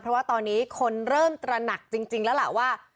เพราะว่าตอนนี้คนเริ่มตระหนักจริงแล้วล่ะว่า